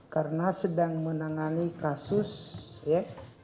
karena sedang menangani kasus ya